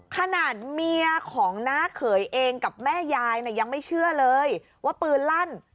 ขนาดเมียของน้าเขยเองกับแม่ยายยังไม่เชื่อเลยว่าปืนลั่น